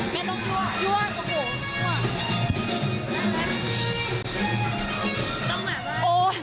พอก่อนพักก่อนพักก่อน